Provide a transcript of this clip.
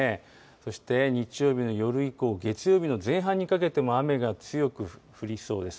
そして日曜日の夜以降、月曜日の前半にかけても、雨が強く降りそうです。